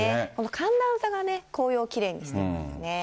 寒暖差が紅葉をきれいにしていますね。